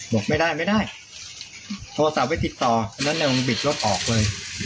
บอกไม่ได้ไม่ได้โทรศัพท์ไว้ติดต่ออันนั้นมันบิดรถออกเลย